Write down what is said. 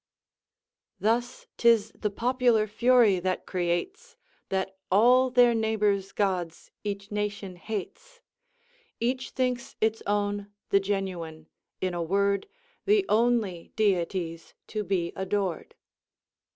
"Thus 'tis the popular fury that creates That all their neighbours' gods each nation hates; Each thinks its own the genuine; in a word, The only deities to be adored."